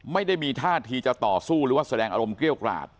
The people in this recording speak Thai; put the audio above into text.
ไม่ได้มีท่าทีจะต่อสู้หรือว่าแสดงอารมณ์เกรี้ยวกราด